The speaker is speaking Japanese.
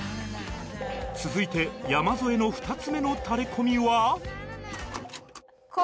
続いて山添の２つ目のタレコミは